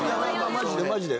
マジでマジで。